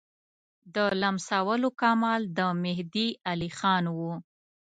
د لمسولو کمال د مهدي علیخان وو.